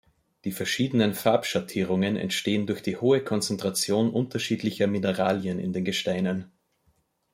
Die verschiedenen Farbschattierungen entstehen durch die hohe Konzentration unterschiedlicher Mineralien in den Gesteinen.